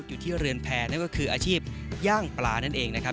อยู่ที่เรือนแพร่นั่นก็คืออาชีพย่างปลานั่นเองนะครับ